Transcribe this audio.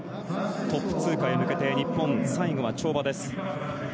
トップ通過に向けて日本、最後は跳馬です。